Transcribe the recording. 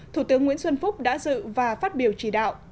thủ tướng nguyễn xuân phúc đã dự và phát biểu chỉ đạo